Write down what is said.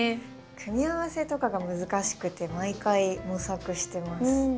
組み合わせとかが難しくて毎回模索してます。